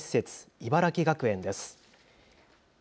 茨城学園です。